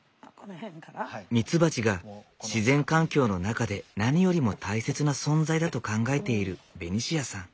ミツバチが自然環境の中で何よりも大切な存在だと考えているベニシアさん。